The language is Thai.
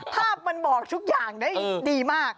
ภาพมันบอกทุกอย่างได้ดีมาก